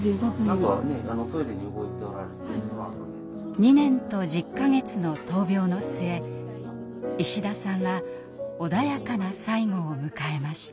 ２年と１０か月の闘病の末石田さんは穏やかな最期を迎えました。